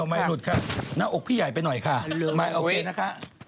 มาดูกันเขาบอกว่าเขามาสำรวจแล้วนะฮะ